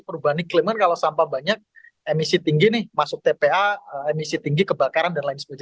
perubahan ikliman kalau sampah banyak emisi tinggi nih masuk tpa emisi tinggi kebakaran dan lain sebagainya